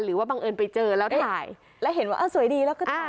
หรือว่าบังเอิญไปเจอแล้วที่สายแล้วเห็นว่าอ่ะสวยดีแล้วก็ถ่าย